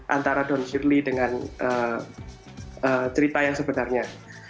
antara don quigley dengan cerita yang sebenarnya